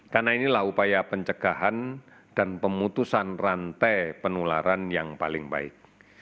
karena inilah upaya pencegahan dan pemutusan rantai penularan yang paling baik